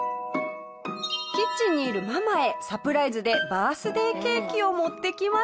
キッチンにいるママへサプライズでバースデーケーキを持ってきました。